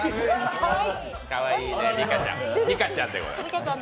かわいいね、美香ちゃんでございます。